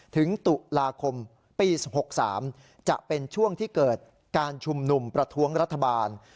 ถึงตุลาคมปี๖๓จะเป็นช่วงที่เกิดการชุมนุมประท้วงรัฐบาล